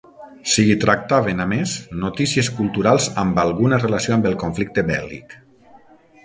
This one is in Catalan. S'hi tractaven, a més, notícies culturals amb alguna relació amb el conflicte bèl·lic.